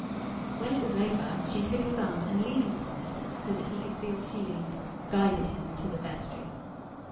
When it was over, she took his arm; and leaning upon it, so that he could feel she leaned, guided him to the vestry.